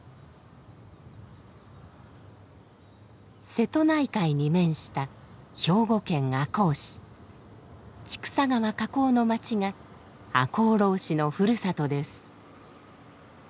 瀬戸内海に面した千種川河口の町が赤穂浪士のふるさとです。